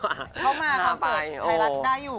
เขามาความสุขคลายละได้อยู่